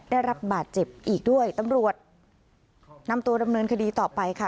ได้รับบาดเจ็บอีกด้วยตำรวจนำตัวดำเนินคดีต่อไปค่ะ